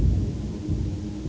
jangan setuai mobil aguuk